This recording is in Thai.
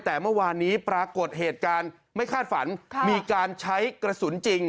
แต่เมื่อวานนี้ปรากฏเหตุการณ์ไม่คาดฝันมีการใช้กระสุนจริง